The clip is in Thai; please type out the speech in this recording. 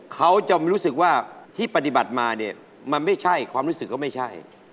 เขาจะรู้สึกว่าที่ปฏิบัติมาเนี่ยมันไม่ใช่ความรู้สึกก็ไม่ใช่